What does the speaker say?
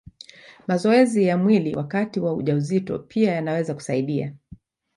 Mazoezi ya mwili wakati wa ujauzito pia yanaweza kusaidia.